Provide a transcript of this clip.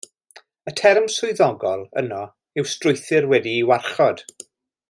Y term swyddogol yno yw strwythur wedi'i warchod.